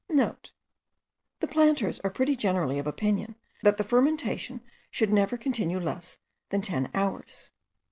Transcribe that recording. *(* The planters are pretty generally of opinion, that the fermentation should never continue less than ten hours.